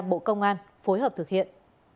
bộ công an phối hợp thực hiện